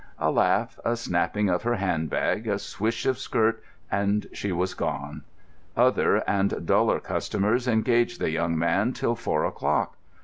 A laugh, a snapping of her handbag, a swish of skirt, and she was gone. Other and duller customers engaged the young man till four o'clock.